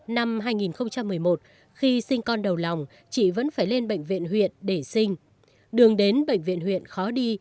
năm hai nghìn một mươi một khi sinh con đầu lòng chị vẫn phải lên bệnh viện huyện để sinh đường đến bệnh viện huyện khó đi